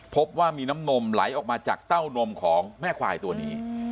พบว่ามีน้ำนมไหลออกมาจากเต้านมของแม่ควายตัวนี้